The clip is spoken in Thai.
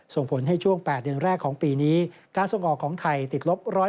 ส่งผลให้ช่วง๘เดือนแรกของปีนี้การส่งออกของไทยติดลบ๑๐